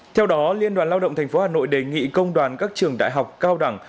theo đó liên đoàn lao động tp hà nội đề nghị công đoàn các trường đại học cao đẳng